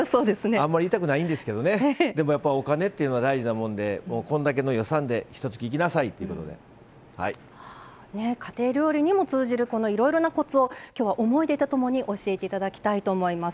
あまり言いたくないんですけどお金って大事なもんでこんだけの予算でひと月いきなさい、いうことで家庭料理にも通じるいろいろなコツを思い出とともに教えていただきたいと思います。